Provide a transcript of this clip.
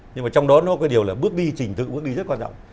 nhưng mà trong đó nó cái điều là bước đi trình tự bước đi rất quan trọng